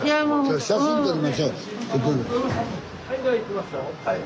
はいじゃあいきますよ。